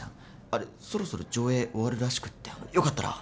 あれそろそろ上映終わるらしくってよかったら。